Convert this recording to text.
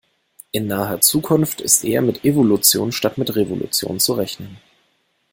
In naher Zukunft ist eher mit Evolution statt mit Revolution zu rechnen.